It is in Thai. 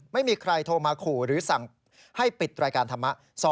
ไม่มีใครโทรมาขู่หรือสั่งให้ปิดรายการธรรมะ